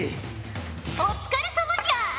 お疲れさまじゃ。